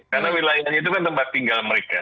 karena wilayahnya itu kan tempat tinggal mereka